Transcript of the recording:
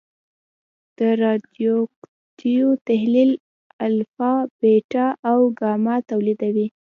د رادیواکتیو تحلیل الفا، بیټا او ګاما تولیدوي.